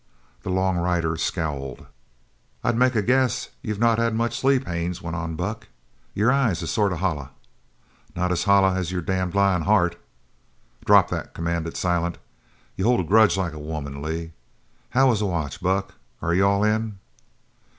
The long rider scowled. "I'd make a guess you've not had much sleep, Haines," went on Buck. "Your eyes is sort of hollow." "Not as hollow as your damned lying heart!" "Drop that!" commanded Silent. "You hold a grudge like a woman, Lee! How was the watch, Buck? Are you all in?"